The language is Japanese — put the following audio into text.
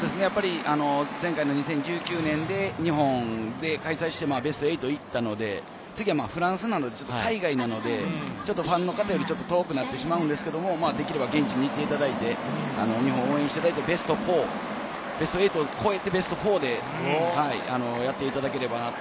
前回、２０１９年で日本で開催してベスト８に行ったので、次はフランスなので、ちょっと海外なのでファンの方、遠くなってしまうんですけど、できれば、現地に行ってもらって日本を応援してもらってベスト４、ベスト８を超えてベスト４でやってもらえればなと。